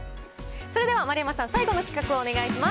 それでは丸山さん、最後の企画をお願いします。